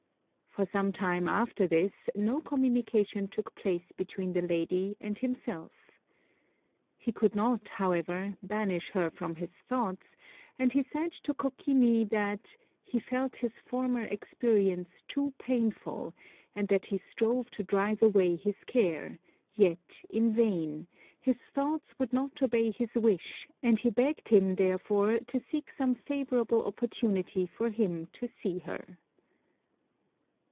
For some time after this no communication took place between the lady and himself. He could not, however, banish her from his thoughts, and he said to Kokimi that "he felt his former experience too painful, and that he strove to drive away his care; yet in vain; his thoughts would not obey his wish, and he begged him, therefore, to seek some favorable opportunity for him to see her."